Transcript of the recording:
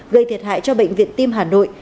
gây thiệt hại cho bệnh viện tim hà nội